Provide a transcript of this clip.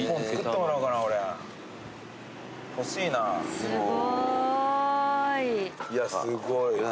すごーい。